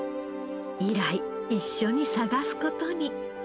以来一緒に探す事に。